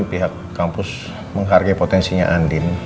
lihat kampus menghargai potensinya andien